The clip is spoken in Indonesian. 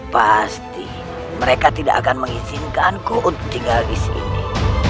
pasti mereka tidak akan mengizinkanku untuk tinggal di sini